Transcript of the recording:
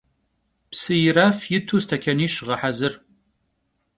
Psı yiraf yitu stekaniş ğehezır.